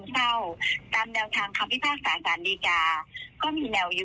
ให้ใจมีออกมากไปที่ต้องจับอย่างไหน